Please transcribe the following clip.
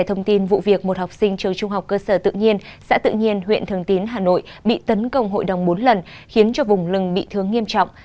thông tin vụ việc một học sinh trường trung học cơ sở tự nhiên xã tự nhiên huyện thường tín hà nội bị tấn công hội đồng bốn lần khiến cho vùng lừng bị thương nghiêm trọng